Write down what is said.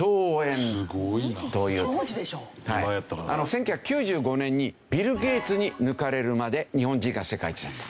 １９９５年にビル・ゲイツに抜かれるまで日本人が世界一だった。